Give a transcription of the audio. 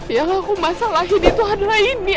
yang aku masalahin itu adalah ini